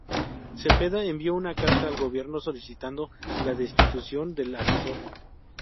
Cepeda envió una carta al gobierno solicitando la destitución del asesor.